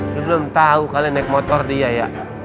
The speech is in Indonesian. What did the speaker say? gue belum tau kalian naik motor dia ya